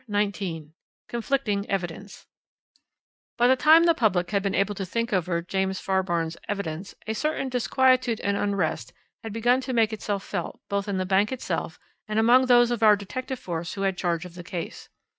'" CHAPTER XIX CONFLICTING EVIDENCE "By the time the public had been able to think over James Fairbairn's evidence, a certain disquietude and unrest had begun to make itself felt both in the bank itself and among those of our detective force who had charge of the case.